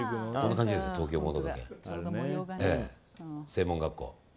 専門学校。